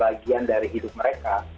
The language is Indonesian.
sebagian dari hidup mereka